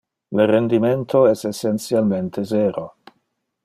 Le rendimento es essentialmente zero.